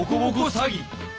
詐欺？